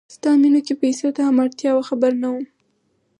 ستا مینه کې پیسو ته هم اړتیا وه خبر نه وم